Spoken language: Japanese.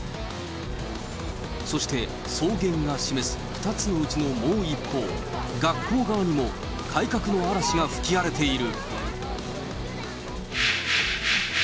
そして、双減が示す２つのうちのもう一方、学校側にも改革の嵐が吹き荒れている。